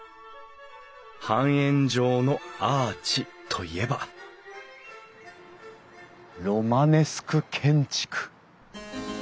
半円状のアーチといえばロマネスク建築。